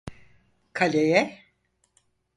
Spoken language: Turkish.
Kaleye!